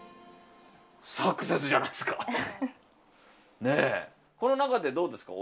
サクセスじゃないですか！